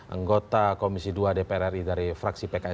anggota komisi dua dpr ri dari fraksi pks